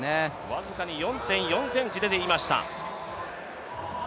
僅かに４．４ｃｍ出ていました。